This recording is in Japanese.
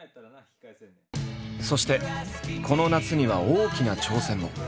そしてこの夏には大きな挑戦も。